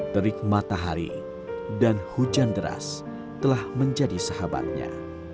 terik matahari dan hujan deras telah menjadi sahabatnya